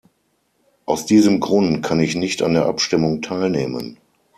Aus diesem Grund kann ich nicht an der Abstimmung teilnehmen.